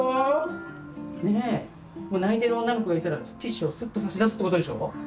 泣いてる女の子がいたらティッシュをすっと差し出すってことでしょ？